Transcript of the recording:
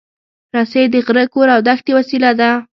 رسۍ د غره، کور، او دښتې وسیله ده.